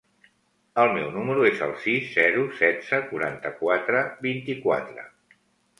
El meu número es el sis, zero, setze, quaranta-quatre, vint-i-quatre.